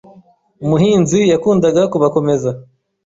Umuhinzi yakundaga kubakomeza.